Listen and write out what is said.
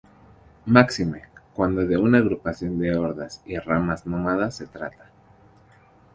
Máxime, cuando de una agrupación de hordas y ramas nómadas se trata.